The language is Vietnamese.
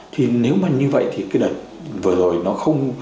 thì nếu mà như vậy thì cái đợt vừa rồi nó không